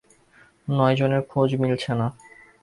নয়জনের খোঁজ মিলছে না।